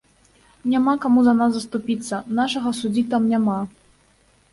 Няма каму за нас заступіцца, нашага суддзі там няма.